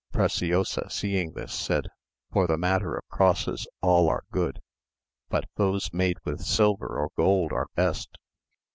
Preciosa seeing this, said, "For the matter of crosses all are good, but those made with silver or gold are best.